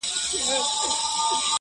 زه دي د ژوند اسمان ته پورته کړم. ه ياره.